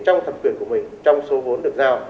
trong thẩm quyền của mình trong số vốn được giao